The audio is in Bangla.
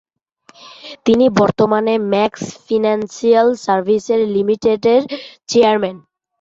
তিনি বর্তমানে ম্যাক্স ফিনান্সিয়াল সার্ভিসেস লিমিটেডের চেয়ারম্যান।